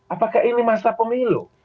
apakah ini masalah pemilu